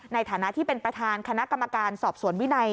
ในฐานะที่เป็นประธานคณะกรรมการสอบสวนวินัย